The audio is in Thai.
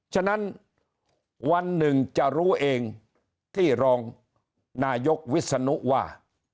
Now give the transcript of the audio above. ฉะนั้นวันหนึ่งจะรู้เองที่รองนายกวิศนุว่า